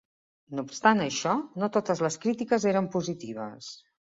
No obstant això, no totes les crítiques eren positives.